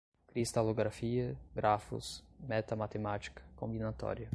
cristalografia, grafos, metamatemática, combinatória